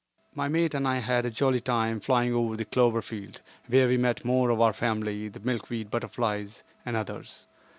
My mate and I had a jolly time flying over the clover field, where we met more of our family, the milkweed butterflies, and others.